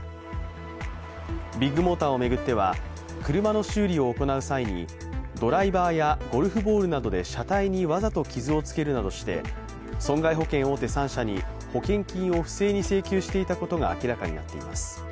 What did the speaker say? ビッグモーターを巡っては車の修理を行う際に、ドライバーやゴルフボールなどで車体にわざと傷をつけるなどして損害保険大手３社に保険金を不正に請求していたことが明らかになっています。